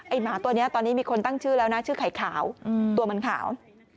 หมาตัวนี้ตอนนี้มีคนตั้งชื่อแล้วนะชื่อไข่ขาวตัวมันขาว